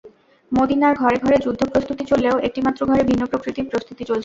মদীনার ঘরে ঘরে যুদ্ধ প্রস্তুতি চললেও একটি মাত্র ঘরে ভিন্ন প্রকৃতির প্রস্তুতি চলছিল।